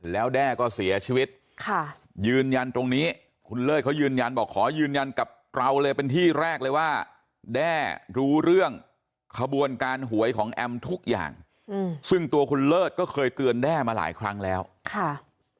แล้วแด้ก็เสียชีวิตค่ะยืนยันตรงนี้คุณเลิศเขายืนยันบอกขอยืนยันกับเราเลยเป็นที่แรกเลยว่าแด้รู้เรื่องขบวนการหวยของแอมทุกอย่างซึ่งตัวคุณเลิศก็เคยเตือนแด้มาหลายครั้งแล้วค่ะ